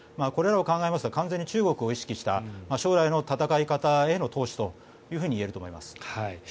これらを考えますと完全に中国を意識した将来の戦い方への投資と言えると思います。